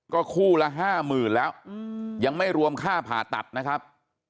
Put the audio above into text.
ก็คู่ละ๕๐๐๐แล้วยังไม่รวมค่าผ่าตัดนะครับ